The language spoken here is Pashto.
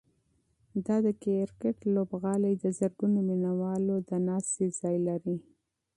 دا د کرکټ لوبغالی د زرګونو مینه والو د ناستې ځای لري.